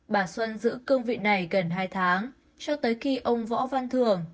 bà xuân giữ cương vị này gần hai tháng cho tới khi ông võ văn thường